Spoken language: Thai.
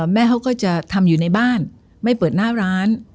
แม่เขาก็จะทำอยู่ในบ้านไม่เปิดหน้าร้าน